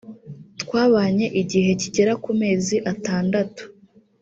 “ Twabanye igihe kigera ku mezi atandatu